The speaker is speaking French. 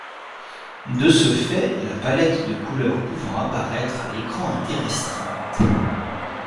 De ce fait la palette de couleurs pouvant apparaître à l'écran était restreinte.